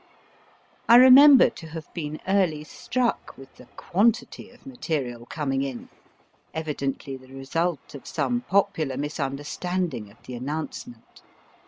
I remember to have been early struck with the quantity of material coming in evidently the BRET HARTE 259 I knew now the result of some popular misunderstanding of the announcement.